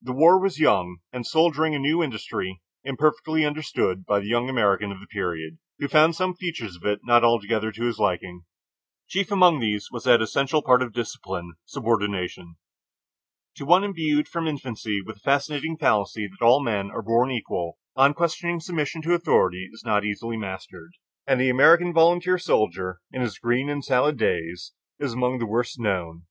The war was young and soldiering a new industry, imperfectly understood by the young American of the period, who found some features of it not altogether to his liking. Chief among these was that essential part of discipline, subordination. To one imbued from infancy with the fascinating fallacy that all men are born equal, unquestioning submission to authority is not easily mastered, and the American volunteer soldier in his "green and salad days" is among the worst known.